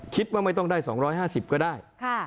คิดว่าไม่ต้องได้๒๕๐ก็ได้